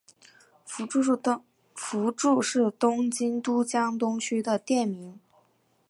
福住是东京都江东区的町名。